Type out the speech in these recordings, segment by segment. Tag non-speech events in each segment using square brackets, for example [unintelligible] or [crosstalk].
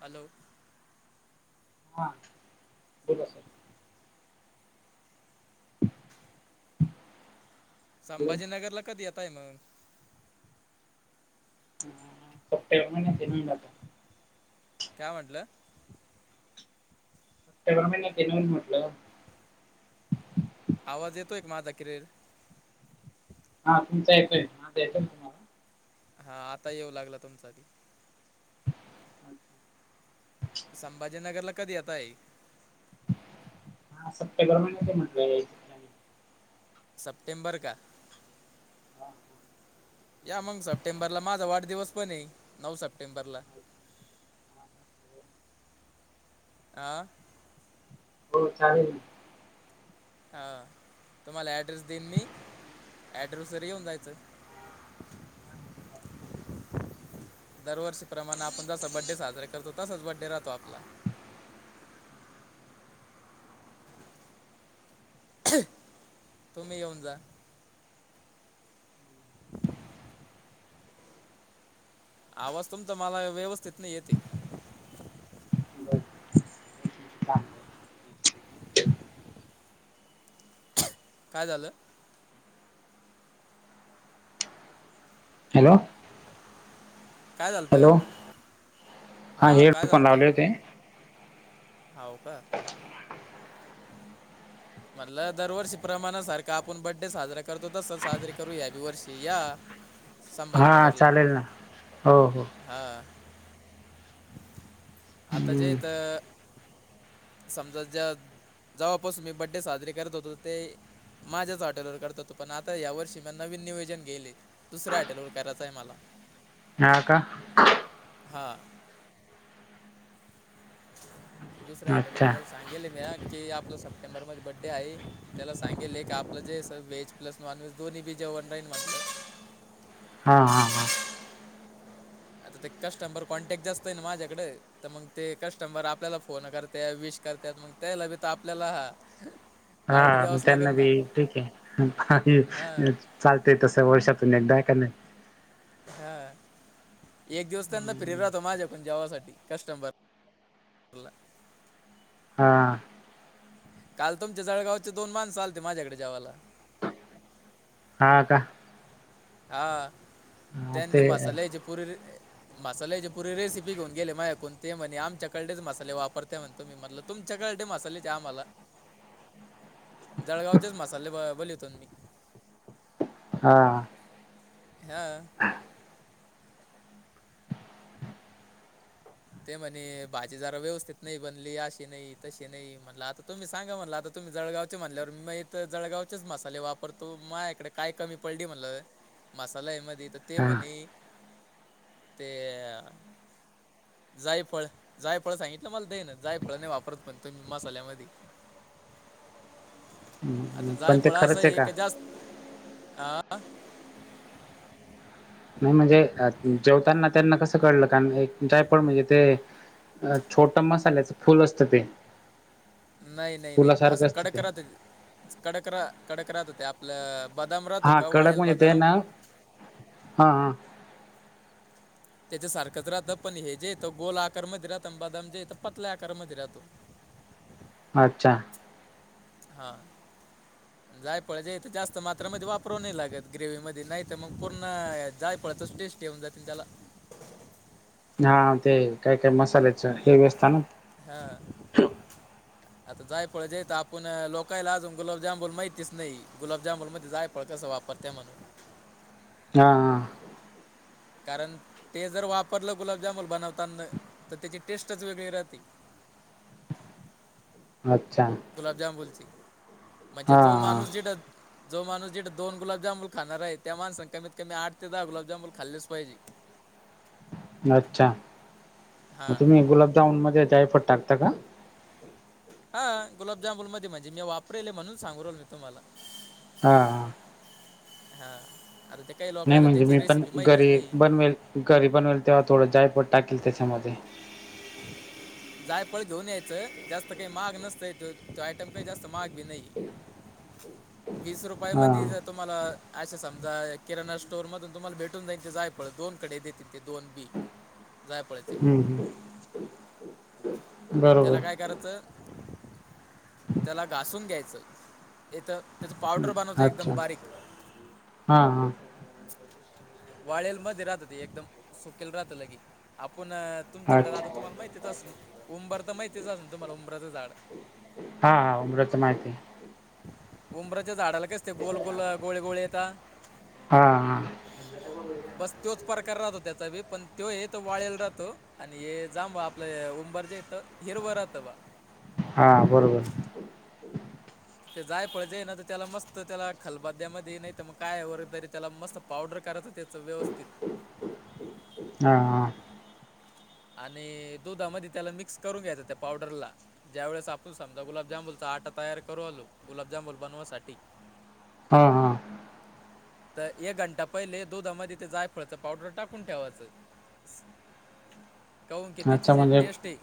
Hello... हां बोला पुढं संभाजीनगरला कधी येताय मग सप्टेंबर मध्ये होईल आता काय म्हटलं पेमेंट पण होते ना मी म्हटलं आवाज येतो का माझा क्लिअर हां तुमचचा येतोय हां आता येतोय तुम्हाला हा आता येऊ लागला तुमचा अच्छा. संभाजीनगरला कधी येताय हा सप्टेंबर महिन्या ते म्हटलं यायचं प्लॅनिंग सप्टेंबर का हा हा या मग सप्टेंबरला माझा वाढदिवस पण आहे नऊ सप्टेंबरला अच्छा हा का? आं हो चालेल हा तुम्हाला ऍड्रेस देईन मी ऍड्रेस वर येऊन जायचं [unintelligible] दरवर्षी प्रमाणे आपण जस बर्थडे साजरा करतो तसच बड्डे राहतो आपला तुम्ही येऊन जा आवाज तुमचा मला व्यवस्थित नाही येत चालतंय बरं एक मिनिट थांब काय झालं हॅलो काय झालं तर हॅलो हा हां हेड काय फोन लावले होते होव का म्हटलं दरवर्षी प्रमाणा सारखा आपण बड्डे साजरा करतो तस साजरीे करू याही वर्षी या हा संभाजीनगरला चालेल ना हो हो हा आता हम्म जेत समजा ज्या जवा पासून मी बड्डे साजरे करत होतो ते माझ्याच हॉटेलवर करत होतो पण आता या वर्षी नवीन नियोजन केले दुसऱ्या हॉटेलवर करायचं आहे मला हा का हा दुसऱ्या अच्छा हॉटेलवाल्या सांगेले म्या की आपलं सप्टेंबरमध्ये बड्डे आहे त्याला सांगेले का आपलं जे स वेज प्लस नॉनव्हेज दोन्हीबीे जेवन राईन हा हा हा आता ते कस्टमबर कॉन्टॅक्ट जास्त आहे ना माझ्याकड तर मग ते कस्टमर आपल्याला फोन करत्या विश करत्यात मग द्यायला लागत आपल्याला ह हा मग त्यांना बी ठीक आहे हां चालतय तसं वर्षातून एकदा हाय का नाही हा एक दिवस त्यांना फ्री राहतो माझ्याकण जेवासाठी कस्टमर हो का हा काल तुमचे जळगावचे दोन माणस आलते माझ्याकड जेवायला हा का हा त्यांनी ते मसाल्याची पुरी मसाल्याची पूरी रेसिपी घेऊन गेले माझ्याकडून ते म्हणे आमच्याकडलेच मसाले वापरते म्हणतो मी म्हटलं तुमच्याकडले मसाले द्या आम्हाला जळगावचेच मसाले बोलिवतोन मी हा हा ते म्हणे भाजी जरा व्यवस्थित नाही बनली अशी नाही तशी नाही म्हणलं आता तुम्ही सांगा म्हणल आता तुम्ही जळगावचे म्हणल्यावर मी इथ जळगावचेच मसाले वापरतो मा इकडे काय कमी पडली म्हणलं मसाल्या मध्ये तर ते हा म्हणे ते जायफळ जायफळ सांगितलं मला तेन जायफळ नाही वापरत म्हण तुम्ही मसाल्यामधी आता पण ते जायफळ असं खरंच आहे का जास्त आ नाही म्हणजे जेवताना त्यांना कसं कळलं काय माहित जायफळ म्हणजे ते अ छोट मसाल्याचं फुल असतं ते नाही नाही नाही असं फुलासारखं असतं कडक ते राहत ते कडक रा कडक राहत ते आपलं बदाम राहतो का कडक वाळेल म्हणजे ते बदाम ना हा हा त्याच्यासारखंच राहतं पण हे जे येतं गोल आकारमध्ये राहातं ना बादाम जे येतं पतल्या आकारमध्ये राहतो अच्छा हा जायफळ जे इथ जास्त मात्रामध्ये वापरू नाही लागत ग्रेव्ही मध्ये नाही तर मग पूर्ण जायफळचच टेस्ट देऊन जाते त्याला हा ते काय काय मसाल्याचं हेवी असता ना हा आता जायफळ जे आहेत आपण लोकायला अजून गुलाब जामुन माहिततीच नाही गुलाबजामुन मध्ये जायफळ कसा वापरतात पडतंय म्हणून हा हा कारण ते जर वापरलं गुलाबजामन बनवताना तर त्याची टेस्टच वेगळी राहती अच्छा गुलाबजामुनची म्हणजे जो हा माणूस जिथ जो माणूस जिथ दोन गुलाबजामुन खाणार आहे त्या माणसांन कमीत कमी आठ ते दहा गुलाबजामुन खाल्लेच पाहिजे [inaudible] अच्छा मग हां तुम्ही गुलाबजामुन मध्ये जायफळ टाकता का हा गुलाबजामून मध्ये म्हणजे मी वापरेले म्हणून सांगू राहीलो ना तुम्हाला हा हा हां आता ते काही नाही लोकायला म्हणजे त्याची मी पण रेसिपी माहितीच घरी नाही बनवेल, घरी बनवेल तेव्हा थोडं जायफळ टाकेल त्यांच्यामध्ये. जायफळ घेऊन यायचं, जास्त काही महाग नसतय तो आयटम काही जास्त महाग बी नाही. [inaudible] [inaudible] तुम्हाला असे समजा किराणा स्टोर मधून तुम्हाला भेटून जाईन ते जायफळ दोन कडे देतील ते दोन बी. जायफळाचे. हम ह त्याला काय बरोबर करायचं त्याला घासून घ्यायचं. हितं त्याचं पावडर बनवतो एकदम अच्छा बारीक. हा हा वाळलेले मध्ये राहत ते एकदम सुकेल राहत लगे आपण- तुमच्याकडे अच्छा राहत तुम्हाला माहितीच असल उंबर तर माहितीच अस तुम्हाला उंबरचं झाड. हा हा उंबराच माहिती हाय. उंबराच्या झाडाला कसते गोल गोल गोळे गोळे येतात. हा हा बस तोच प्रकार राहतो त्याचा बी, पण तो हे तो वाळेल राहतो. आणि हे जांबा आपल्या उंबर जे येत हिरवं राहतं. हा बरोबर ते जायफळ जे हाय ना तर त्याला मस्त त्याला खलबत्त्यामध्ये नाहीत मग काय व तरी त्याला मस्त- पावडर करायचं त्याचं व्यवस्थित. हा हा आणि दुधामध्ये त्याला मिक्स करून घ्यायचं त्या पावडरला. ज्यावेेळेस आपण समजा गुलाबजामुनलचा आटा तयार करू आलो गुलाबजामुन बनवासाठी. हा हा तर एक घंटा पहिले दुधामध्ये तेे जायफळच पावडर टाकून ठेवायचं. काउन की त्याची अच्छा जे म्हणजे टेस्ट आहे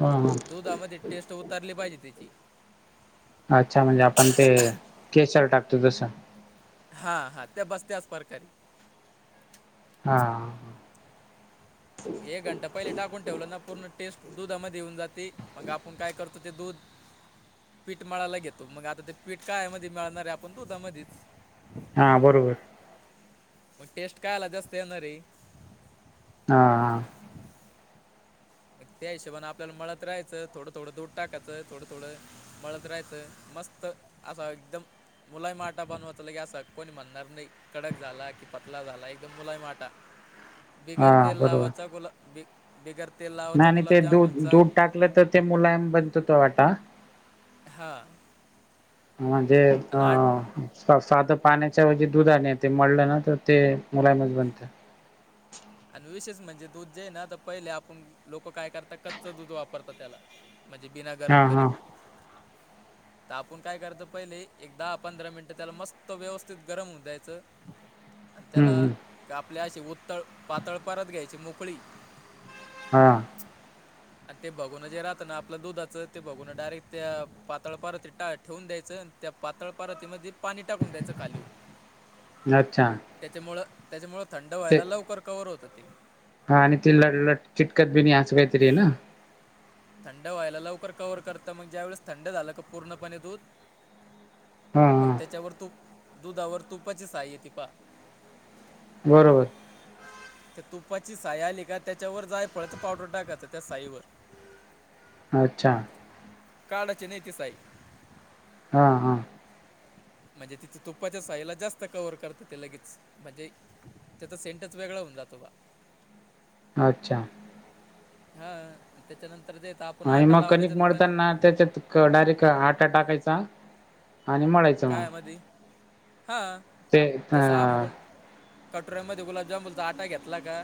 ह दुधामध्ये- टेस्ट उतारली पाहिजे त्याची- अच्छा म्हणजे आपण ते केसर टाकतो तसं- हा हा त्या बस त्याच प्रकारी. हा का एक घंटा पहिले टाकून ठेवलं ना पूर्ण टेस्ट दुधामध्ये येऊन जाते. मग आपण काय करतो ते दूध- पीठ माळायला घेतो, मग आता ते पीठ काय मध्ये मिळणार आहे आपण तू मध्येच हा बरोबर. मग टेस्ट काय आला जास्त येणार री हा हा मग त्या हशबाने आपल्याला मळत रहायचं थोडं थोडं दूध टाकायचं थोडंथडं. मळत राहायचं मस्त असा एकदम- मुलायम आटा बनवाचा की असं कोणी म्हणणार नाही. कडक झाला कि पतला झाला एकदम मुलाई माटा. बिगर हा तेल बरोबर लावायचां गुला बि बिगर तेल नाही लावायचं आणि ते दूध गुलाबजाबुलचा. दूध टाकलं तर ते मुलायम बनत तो आटा. हां म्हणजे अ... सा साधं पाण्याच्या एवजी दूधानी ते मळलं ना तर ते मुलायमच बनते. आणि विशेष म्हणजे दूध जे आहे ना तर पहिले आपण लोक काय करतात कच्च दूध वापरतात त्याला. म्हणजे बिना हा गरम हा करेल. तर आपण काय करतो पहिले एक दहा, पंधरा मिनिटं त्याला मस्त व्यवस्थित गरम होऊन द्यायच. [unintelligible] आणि हम्म त्याला हम्म आपल्या अशी उत्तळ पातळ परत घ्यायची मोकळी हा. [inaudible] आणि ते बघून जे राहत ना आपलं दुधाचं ते बघून डायरेक्ट त्या पातळ परातीत टाक ठेवून द्यायचं आणि त्या पातळ पराती मध्ये पाणी टाकून द्यायचं खाली अच्छा त्याच्यामुळ, त्याच्यामुळ थंड ते व्हायला लवकर बर होत ते. हा आणि ते ल चिटकत बीन असं काही तरी आहे ना? थंड व्हायला लवकर कव्हवर करत म्हणज ज्या वेळेस थंड झालं का पूर्णपणे दूध. हा मग हा त्याच्यावर तूप दुधावर तुपाची साय येती पा बरोबर. त्या तुपाची साय आली का त्याच्यावर जाय फळाच पावडर टाकात त्या साईवर. अच्छा. काढायची नाही ती साई. हा हा. म्हणजे तिच तुप्पाच्या सायला जास्त कव्हर करत ते लगेच म्हणजे त्याचा सेंटच वेगळा होऊन जातो बा. अच्छा. हा त्याच्यानंतर ते ताप आणि मग कणिक मळताना त्याच्यात डायरेक्ट हाटा टाकायचा आणि मळाय काय मध्ये? हा, ते अ जस आपुन कटोऱ्यामध्ये गुलाबजाोलचा आटा घेतला का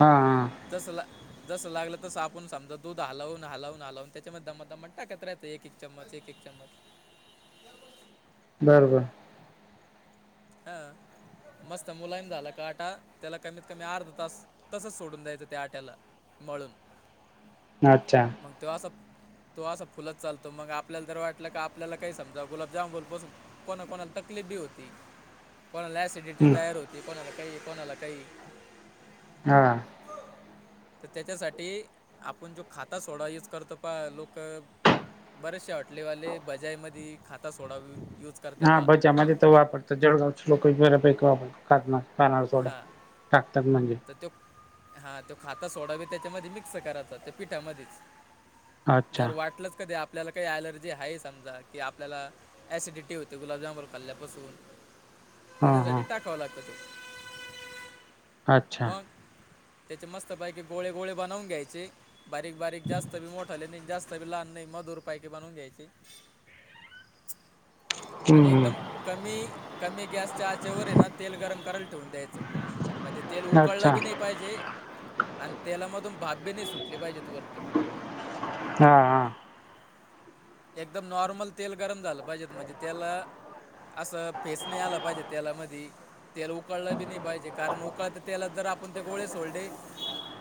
हा हा तसला जस लागलं तसं आपण समजा दूध हलवून, हलवून, हलावून त्याच्यामध्ये दमा, दमात टाकत राहा तर एकेक चमच, एकेक चमच, ते बरे बरोबर बर, हा. मस्त मुलायम झाला का आटा त्याला कमीतकमी अर्ध तास तसच सोडून द्यायचं त्या आट्याला. मळून. अच्छा. मग तो असा तो असा फुलच चालतो मग आपल्याला जर वाटलं का आपल्याला काही समजा गुलाबजाम बनवुन बसुन कोणा, कोणाला तकलीफ बी होती कोणाला ॲसिडिटी हम्म तयार होती. कोणाला काही, कोणाला काही. हा. [inaudible] तर त्याच्यासाठी आपण जो खाता सोडा यूज करतो पहा लोक बरेचशे हॉटलेवाले भजाई मध्ये खाता सोडा युज हा भजा मध्ये तर वापरतात जेवळा लोक बऱ्यापैकी वापरतात. खतमा, खणार सोडा हां टाकतात म्हणजे. हा तो खाता सोडा बी त्याच्यामध्ये मिक्स करायचा त्या पिठामध्यीच अच्छा जर वाटलंच कधी आपल्याला काही अलर्जी आहे समजा की आपल्याला ऍसिडिटी होते गुलाबजांब खाल्ल्यापासून हा हा त्याच्यासाठी टाकावं लागत. अच्छा मग त्याचे मस्तपैकी गोळे गोळे बनवून घ्यायचे. बारीक बारीक जास्त बी मोठाले नाही जास्त बी लहान नाही मधुर पाैकी बनवून घ्यायचे. आणि हम्म एकदम कमी कमी गॅसच्या आचेवर आहे ना तेल गरम करायला ठेवून द्यायचं. म्हणजे तेल अच्छा उकळलं बी नाही पाहिजे आणि तेलामधून भाप बी नाही सुटली पाहिजेत वरती. हा हा एकदम नॉर्मल तेल गरम झालं पाहिजे म्हणजे तेलात असं फेस नाही आला पाहिजे तेला मधी. तेल उकळलं बी नाही पाहिजे कारण उकळत्या तेलात जर आपण ते गोळे सोडले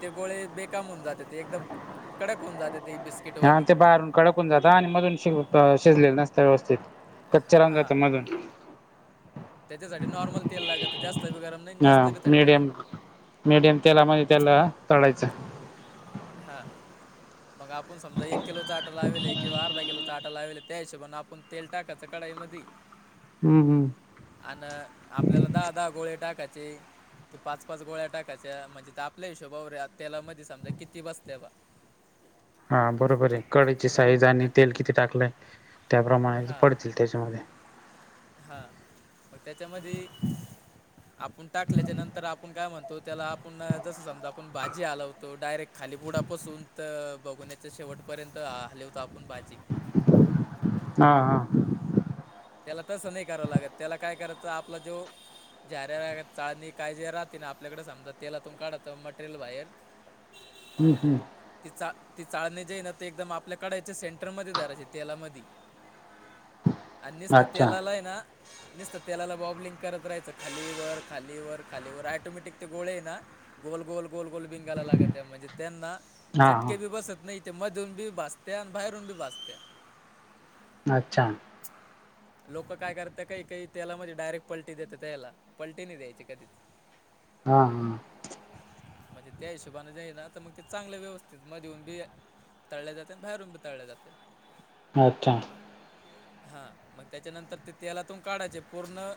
ते गोळे बेकाम होऊन जात्यात ते एकदम कडक होऊन जात्यात ते बिस हा ते बाहेरून कडक होऊन जातं आणि मधून श शिजलेले नसतं व्यवस्थित. कच्चा लागतं मधून. त्यासाठी नॉर्मल तेल लागतं जास्त बी गरम नाही आणि हा जास्त बी थंड नाही मीडियम मीडियम तेलामध्ये त्याला तळायचं. हा. मग आपण समजा एक किलोचा आटा लावेले किंवा अर्धा किलोचा आटा लावेले त्या हिशोबने आप आपण तेल टाकायचं कढाईमधी हम्म. हम्. अन‌् आपल्याला दहा दहा गोळे टाकायचे. की पाच पाच गोळ्या टाकायच्या म्हणजे त्या आपल्या हिशोबावर आत तेला मध्ये समजा किती बसत्या ता हा बरोबर आहे कढईची साईज आणि तेल किती टाकलंय त्याप्रमाणे जे पडतील त्याच्यामध्ये. हा. मग त्याच्यामध्ये आपूण टाकल्याच्या नंतर आपूण काय म्हणतो त्याला आपूण जस समजा आपूण भाजी हालवतो डायरेक्ट खाली बुडापासून त भगुण्याच्या शेवटपर्यंत हालीवतो आपण भाजी. हा हा त्याला तसं नाही करावं लागत त्याला काय करायचं आपला जो झाऱ्या वगैरे चाळणी कायजे राहते ना आपल्याकडे समजा तेलातून काढतो मटेरियल बाहेर [inaudible] हम्. हम्. ती चा चालणी जी आहे ना ते एकदम आपल्या कढ‌ईच्या सेंटरमध्ये धरायचे तेलामधी अन् निस्तं अच्छा तेलाला हाय ना नुसतं तेलाला बॉबलिंग करत राहायचं खाली वर खाली वर खाली वर टोमॅटिक ते गोळे हाय ना गोल गोल गोल गोल बिनगायला लागतय म्हणजे त्यांना. हा चटके बी बसत नाही तेे मधून बी भाजत्या आणि बाहेरून बी भाजत्या अच्छा! [inaudible] लोक काय करत्यात काही काही तेलामधी डायरेक्ट पलटी देतात त्याला पलटी नाही द्यायची कधीच [inaudible] हा हा म्हणजे त्या हिशोबाने जे हाय ना आता मग ते चांगलं व्यवस्थित मधून बी तळले जाते आणि बाहेरून बी तळले जाते हा का हा मग त्याच्यानंतर ते तेलातून काढायचे पूर्ण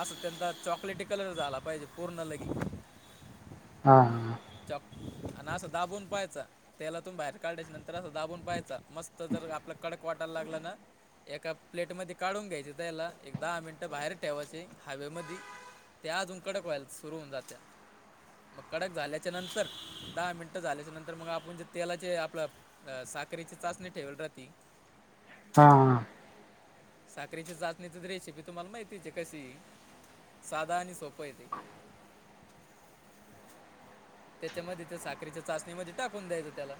असं त्यांचा चॉकलेटी कलर झाला पाहिजे पूर्ण लगे हा हा चाॅक आणि असं दाबून पाहायचा तेलातून बाहेर काढाल्याच्या नंतर असं दाबून पाहायचा मस्त जर आपलं कडक वाटायला लागलं ना एका प्लेटमध्येध्ये काढून घ्यायचे त्याला एक दहा मिनटं बाहेर ठेवायचे हवेमध्येध त्या अजून कडक व्हायला सुरु होऊन जात्या मग कडक झाल्याच्या नंतर दहा मिनटं झाल्याच्या नंतर मग आपण जे तेलाचे आपलं अ साखरची चाचणी ठेवेल राह त हा. साखरीची चाचणीची रेसिपी तुम्हाला माहितीची कशी साधा आणि सोपं आहे ती. त्याच्यामध्ये तर साखरीच्या चाचणीमध्ये टाकून द्यायचं त्याला